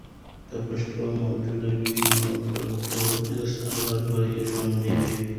که پښتو موجوده وي، نو کلتوري اصالت به ژوندۍ وي.